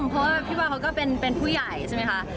เพราะว่าพี่บอยเขาก็เป็นผู้ใหญ่ใช่ไหมคะ